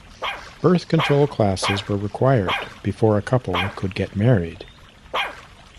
Birth control classes were required before a couple could get married.